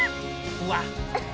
うわっ。